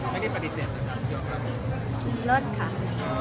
ไม่ได้ปฏิเสธครับ